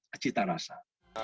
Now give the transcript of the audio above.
berbagai cita rasa